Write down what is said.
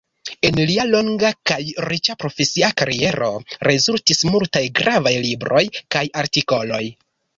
En lia longa kaj riĉa profesia kariero rezultis multaj gravaj libroj kaj artikoloj.